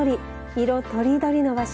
色とりどりの和紙。